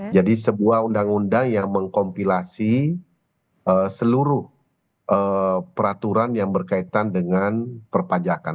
jadi sebuah undang undang yang mengkompilasi seluruh peraturan yang berkaitan dengan perpajakan